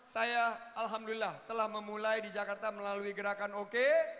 saya alhamdulillah telah memulai di jakarta melalui gerakan oke